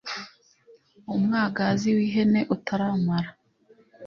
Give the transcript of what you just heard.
umwagazi w ihene utaramara